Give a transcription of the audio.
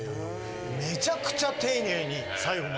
めちゃくちゃ丁寧に最後まで。